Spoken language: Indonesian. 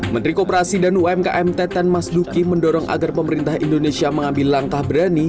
menteri kooperasi dan umkm teten mas duki mendorong agar pemerintah indonesia mengambil langkah berani